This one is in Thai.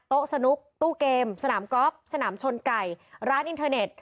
สนุกตู้เกมสนามกอล์ฟสนามชนไก่ร้านอินเทอร์เน็ต